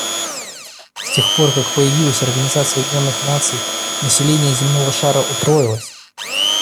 С тех пор, как появилась Организация Объединенных Наций, население земного шара утроилось.